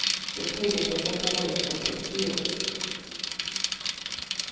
Your predecessor bore it for six years."